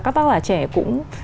các tác giả trẻ cũng